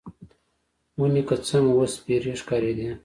ونې که څه هم، اوس سپیرې ښکارېدې.